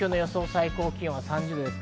最高気温は３０度です。